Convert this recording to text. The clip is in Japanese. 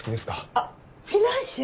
あっフィナンシェ？